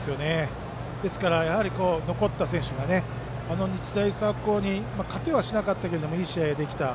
ですから、やはり残った選手があの日大三高に勝てはしなかったけどいい試合ができた。